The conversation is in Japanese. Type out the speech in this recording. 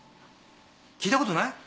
聞いたことない？